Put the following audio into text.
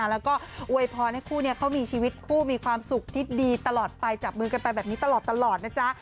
แล้วก็อวยพรให้คู่นี้เขามีชีวิตคู่มีความสุขที่ดีตลอดไปจับมือกันไปแบบนี้ตลอดนะจ๊ะ